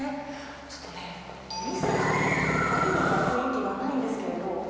ちょっとね、お店があるような雰囲気がないんですけれど。